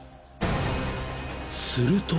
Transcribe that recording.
［すると］